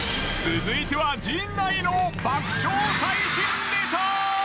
続いては爆笑最新ネタ！